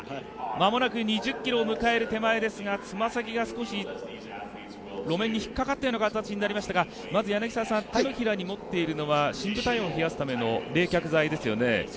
間もなく２０ｋｍを迎える手前ですが路面に引っかかったような形になりましたが手のひらに持っているのは深部体温を冷やすための冷却剤ですよね。